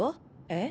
え？